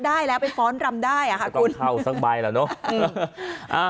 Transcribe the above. ได้แล้วไปฟ้อนรำได้อ่ะค่ะก็ต้องเข้าสักใบแหละเนอะ